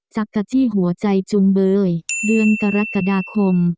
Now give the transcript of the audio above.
จักรจี้หัวใจจุงเบยเดือนกรกฎาคม